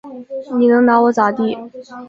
你能拿我咋地？